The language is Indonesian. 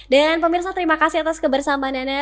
dan pemirsa terima kasih atas kebersamaan anda